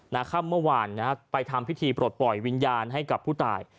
ค่ำเมื่อวานนะฮะไปทำพิธีปลดปล่อยวิญญาณให้กับผู้ตาย